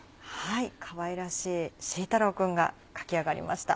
かわいらしいシー太郎くんが描き上がりました。